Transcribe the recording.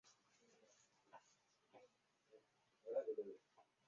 城隍庙有四重牌坊。